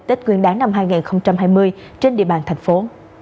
tết nguyên đáng năm hai nghìn hai mươi trên địa bàn thành phố